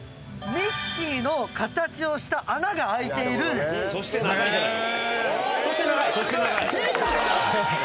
ミッキーの形をした穴が開いてるんです。